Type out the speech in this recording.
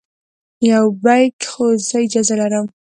یو بیک خو زه اجازه لرم.